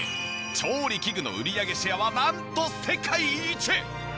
調理器具の売り上げシェアはなんと世界一！